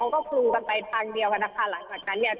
พอรู้กันไปทางเดียวค่ะหลังจากนั้นทุกคนก็เริ่มเช็คข่าว